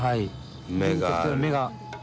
目が。